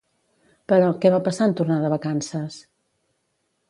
Però, què va passar en tornar de vacances?